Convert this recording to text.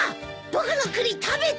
僕の栗食べた！